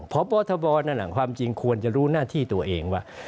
เพราะประวัติบัตินั่นหลังความจริงควรจะรู้หน้าที่ตัวเองว่า